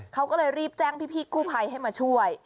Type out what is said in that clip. เขาก็เลยรีบแจ้งพี่กู้ภัยให้มาช่วย